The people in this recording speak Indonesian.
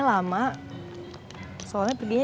gak usah banyak ngomong